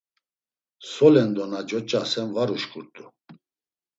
Solendo na coç̌asen var uşǩurt̆u. xx